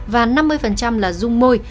và năm mươi là dung môi